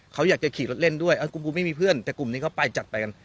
เขาอยากจะขี่รถเล่นด้วยกลุ่มกูไม่มีเพื่อนแต่กลุ่มนี้เขาไปจัดไปกัน